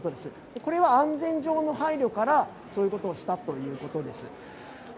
これは安全上の配慮から、そういうことをしたということです。